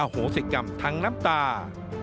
โหสิกรรมทั้งน้ำตา